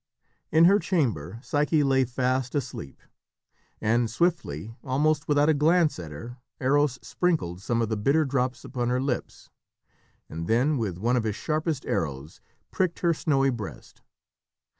In her chamber Psyche lay fast asleep, and swiftly, almost without a glance at her, Eros sprinkled some of the bitter drops upon her lips, and then, with one of his sharpest arrows, pricked her snowy breast.